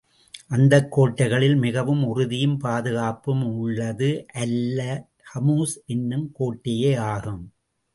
அந்தக் கோட்டைகளில் மிகவும் உறுதியும், பாதுகாப்பும் உள்ளது அல் கமூஸ் என்னும் கோட்டையே ஆகும்.